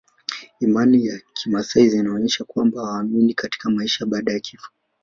Imani za kimaasai zinaonyesha kwamba hawaamini katika maisha baada ya kifo